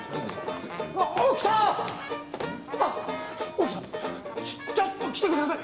奥さんちょっと来てください！